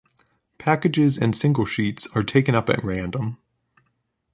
Packages and single sheets are taken up at random.